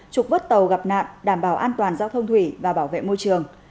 trục vớt tàu gặp nạn đảm bảo an toàn giao thông thủy và bảo vệ môi trường